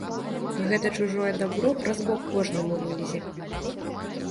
Гэта чужое дабро праз бок кожнаму вылезе.